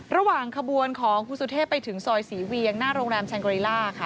ระหว่างขบวนของคุณสุเทพไปถึงซอยศรีเวียงหน้าโรงแรมชังกอริล่าค่ะ